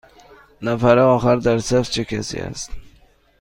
نفر آخر در صف چه کسی است؟